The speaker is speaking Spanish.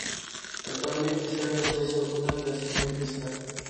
Escribió el relato de su experiencia y continuó en Flandes algunos años más.